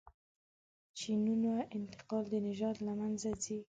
جینونو انتقال د نژاد له منځه ځي.